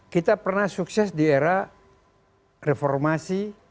kita pernah sukses di era reformasi